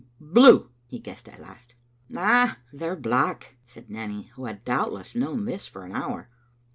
" Blue," he guessed at last. "Na, they're black," said Nanny, who had doubt less known this for an hour.